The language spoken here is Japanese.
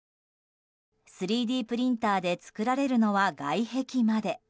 ３Ｄプリンターで作られるのは外壁まで。